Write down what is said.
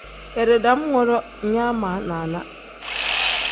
Keeri dam woro nyaa ma naana.